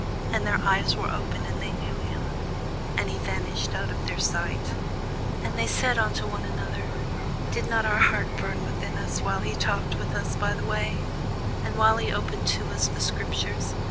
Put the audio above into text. And their eyes were opened, and they knew him; and he vanished out of their sight. And they said one to another, Did not our heart burn within us, while he talked with us by the way, and while he opened to us the scriptures?